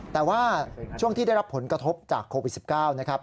แต่ว่าช่วงที่ได้รับผลกระทบจากโควิด๑๙นะครับ